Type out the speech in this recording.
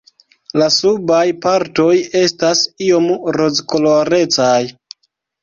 La subaj partoj estas iom rozkolorecaj.